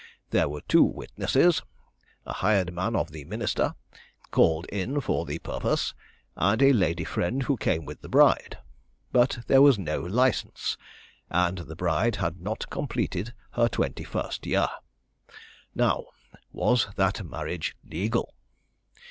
There were two witnesses, a hired man of the minister, called in for the purpose, and a lady friend who came with the bride; but there was no license, and the bride had not completed her twenty first year. Now, was that marriage legal?